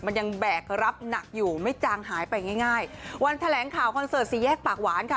มันยังแบกรับหนักอยู่ไม่จางหายไปง่ายง่ายวันแถลงข่าวคอนเสิร์ตสี่แยกปากหวานค่ะ